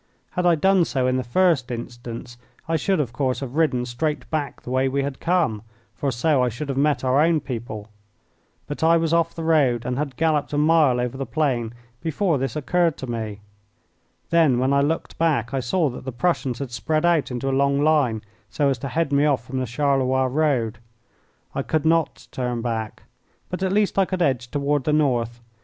Had I done so in the first instance I should, of course, have ridden straight back the way we had come, for so I should have met our own people. But I was off the road and had galloped a mile over the plain before this occurred to me. Then when I looked back I saw that the Prussians had spread out into a long line, so as to head me off from the Charleroi road. I could not turn back, but at least I could edge toward the north.